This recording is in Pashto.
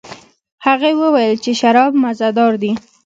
هغې وویل چې شراب مزه دار دي.